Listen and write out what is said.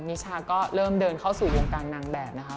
นิชาก็เริ่มเดินเข้าสู่วงการนางแบบนะคะ